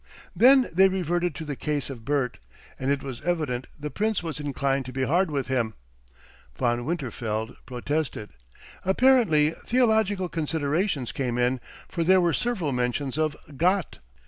Then they reverted to the case of Bert, and it was evident the Prince was inclined to be hard with him. Von Winterfeld protested. Apparently theological considerations came in, for there were several mentions of "Gott!"